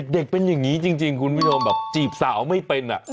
เด็กเป็นอย่างนี้จริงคุณผู้ชมแบบจีบสาวไม่เป็น